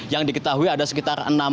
yang diketahui ada sekitar